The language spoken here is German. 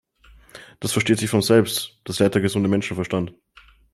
Das versteht sich von selbst, das lehrt der gesunde Menschenverstand.